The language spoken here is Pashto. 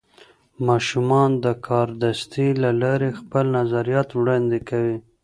ماشومان د کاردستي له لارې خپل نظریات وړاندې کوي.